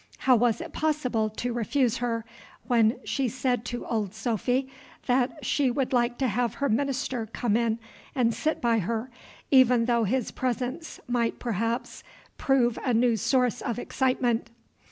How was it possible to refuse her, when she said to Old Sophy, that she should like to have her minister come in and sit by her, even though his presence might perhaps prove a new source of excitement?